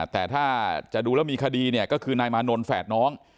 แต่ถ้าจะดูแล้วมีคดีเนี่ยก็คือนายมานนท์แฝดน้อง